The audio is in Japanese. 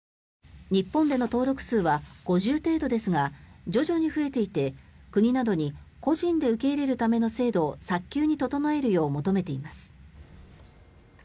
日本での登録数は５０程度ですが徐々に増えていて国などに個人で受け入れるための制度を早急に整えるよう求めています。